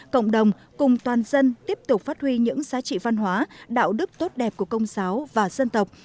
cộng đồng cùng toàn dân tiếp tục phát huy những giá trị văn hóa đạo đức tốt đẹp của công giáo và dân tộc